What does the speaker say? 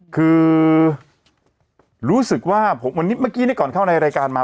คือรู้สึกว่าวันนี้เมื่อกี้ก่อนเข้าในรายการมา